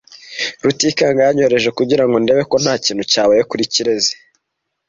Rutikanga yanyohereje kugirango ndebe ko nta kintu cyabaye kuri Kirezi .